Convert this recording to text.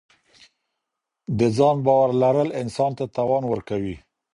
د ځان باور لرل انسان ته توان ورکوي.